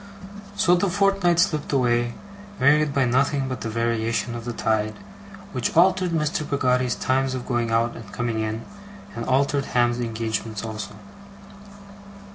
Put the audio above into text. So the fortnight slipped away, varied by nothing but the variation of the tide, which altered Mr. Peggotty's times of going out and coming in, and altered Ham's engagements also.